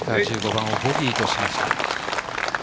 １５番はボギーとしました。